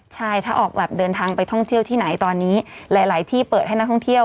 ใช่ถ้าออกแบบเดินทางไปท่องเที่ยวที่ไหนตอนนี้หลายที่เปิดให้นักท่องเที่ยว